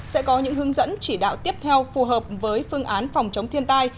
sẽ có những hướng dẫn chỉ đạo tiếp theo phù hợp với phương án phòng chống thiên tai